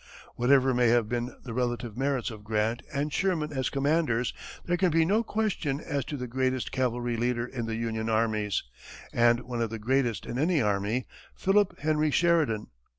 Whatever may have been the relative merits of Grant and Sherman as commanders, there can be no question as to the greatest cavalry leader in the Union armies, and one of the greatest in any army, Philip Henry Sheridan.